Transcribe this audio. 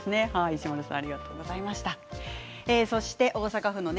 石丸さんありがとうございました。